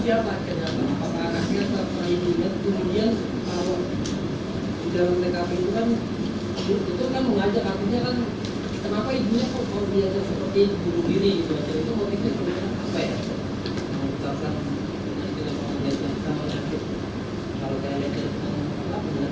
jadi itu mungkin perbedaan apa ya